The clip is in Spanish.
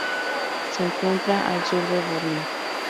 Se encuentra al sur de Borneo.